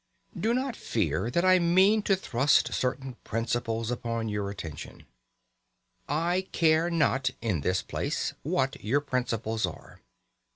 Do not fear that I mean to thrust certain principles upon your attention. I care not (in this place) what your principles are.